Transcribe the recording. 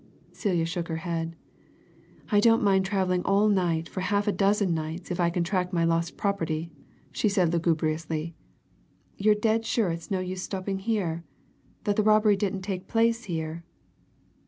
Celia shook her head. "I don't mind travelling all night for half a dozen nights if I can track my lost property," she said lugubriously. "You're dead sure it's no use stopping here? that the robbery didn't take place here?"